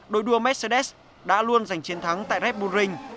đội đua mercedes đã luôn giành chiến thắng tại red bull ring